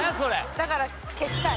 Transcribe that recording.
だから消したい。